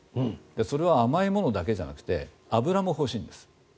それは甘いものだけじゃなくて油も欲しいんです。